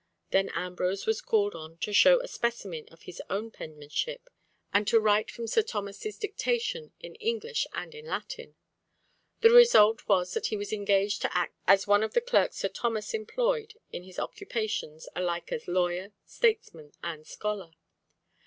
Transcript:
Then Ambrose was called on to show a specimen of his own penmanship, and to write from Sir Thomas's dictation in English and in Latin. The result was that he was engaged to act as one of the clerks Sir Thomas employed in his occupations alike as lawyer, statesman, and scholar.